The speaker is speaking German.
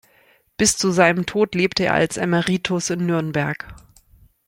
Bis zu seinem Tod lebte er als Emeritus in Nürnberg.